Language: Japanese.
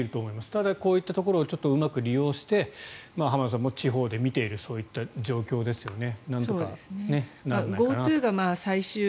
ただ、こういったところをうまく利用して浜田さんも地方で見ている状況ですよね。